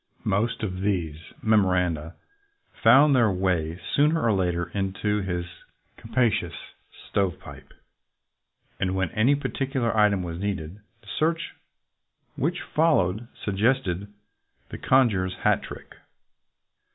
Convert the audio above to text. Most of these memo randa found their way sooner or later into his capacious "stovepipe," and when any particular item was needed, the search which followed sug gested the conjurer's hat trick.